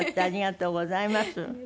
ありがとうございます。